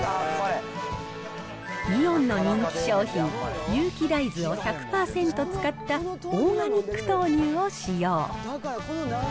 イオンの人気商品、有機大豆を１００％使ったオーガニック豆乳を使用。